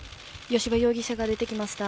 吉羽容疑者が出てきました。